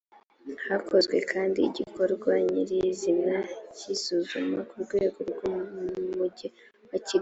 hakozwe kandi igikorwa nyir izina cy isuzuma ku rwego rw umujyi wakigali